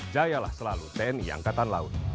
jayalah selalu tni angkatan laut